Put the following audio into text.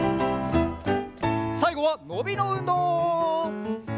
さいごはのびのうんどう！